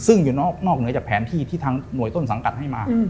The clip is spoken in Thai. ซึ่งอยู่นอกเหนือจากแผนที่ที่ทางหน่วยต้นสังกัดให้มา